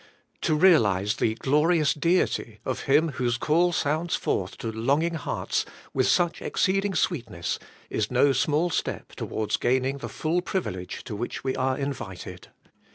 'To realize the glorious Deity of Him whose call sounds forth to longing hearts with such exceeding sweetness is no small step towards gaining the full privilege to which we are invited.